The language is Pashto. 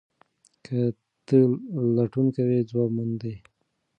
که ته لټون کوې ځواب موندې.